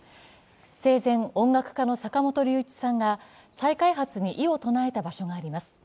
生前、音楽家・坂本龍一さんが再開発に異を唱えた場所があります。